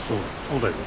そうだよ。